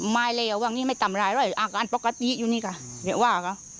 ไม่เลยอะวันนี้ไม่ทำร้ายเลยอาการปกติอยู่นี่กะเหลือว่ากะ